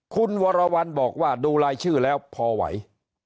คุณวรวรรณบอกว่าดูรายชื่อแล้วพอไหว